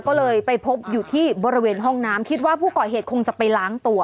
ก็เลยไปพบอยู่ที่บริเวณห้องน้ำคิดว่าผู้ก่อเหตุคงจะไปล้างตัว